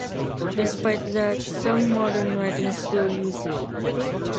Despite that, some modern writings still use it.